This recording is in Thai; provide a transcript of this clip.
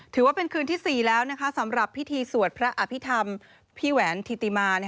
ถือว่าเป็นคืนที่๔แล้วสำหรับพิธีสวดพระอภิษฐรรมพี่แหวนธิติมา